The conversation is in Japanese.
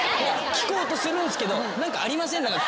聞こうとするんすけど何かありません？